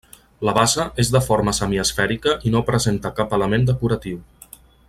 La base és de forma semiesfèrica i no presenta cap element decoratiu.